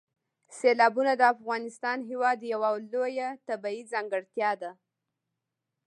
سیلابونه د افغانستان هېواد یوه لویه طبیعي ځانګړتیا ده.